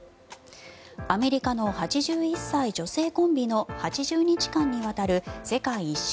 アメリカの８１歳女性コンビの８０日間にわたる世界一周